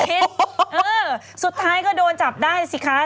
เออสุดท้ายก็โดนจับได้สิคะ